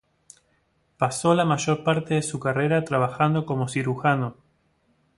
Pasó la mayor parte de su carrera trabajando como cirujano.